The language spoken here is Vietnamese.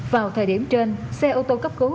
vào thời điểm trên xe ô tô cắp cứu